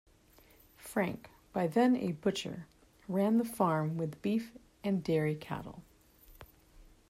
Frank, by then a butcher, ran the farm with beef and dairy cattle.